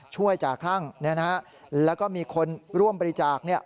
ช่วยจากล่างเนี่ยนะฮะแล้วก็มีคนร่วมบริจาคเนี่ย